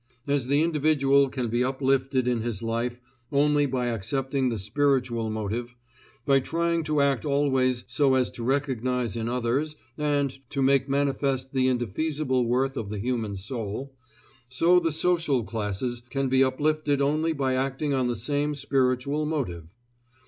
As the individual can be uplifted in his life only by accepting the spiritual motive, by trying to act always so as to recognize in others and to make manifest the indefeasible worth of the human soul, so the social classes can be uplifted only by acting on the same spiritual motive.